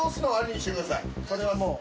それはもう。